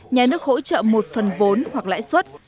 nhà nước hỗ trợ một phần bốn hoặc lãi suất